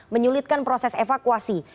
menyulitkan proses evakuasi